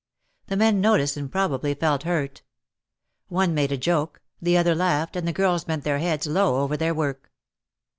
The men noticed and probably felt hurt. One made a joke, the other laughed and the girls bent their heads low over their work.